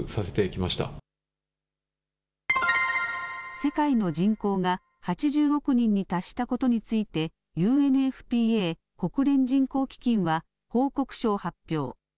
世界の人口が８０億人に達したことについて、ＵＮＦＰＡ・国連人口基金は報告書を発表。